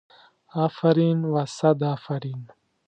افرین و صد افرین.